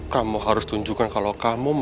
kamu harus tunjukkan kalau kamu